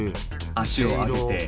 足を上げて。